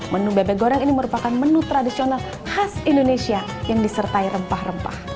menu bebek goreng ini merupakan menu tradisional khas indonesia yang disertai rempah rempah